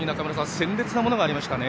鮮烈なものがありましたね。